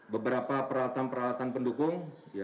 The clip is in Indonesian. beberapa peralatan peralatan pendukung